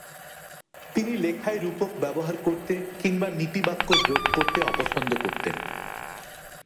তিনি লেখায় রূপক ব্যবহার করতে কিংবা নীতিবাক্য যোগ করতে অপছন্দ করতেন।